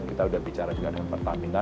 kita sudah bicara juga dengan pertamina